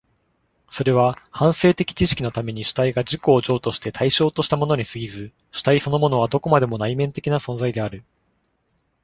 それは反省的知識のために主体が自己を譲渡して対象としたものに過ぎず、主体そのものはどこまでも内面的な存在である。